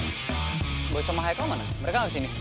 eee boy sama haikal mana mereka gak kesini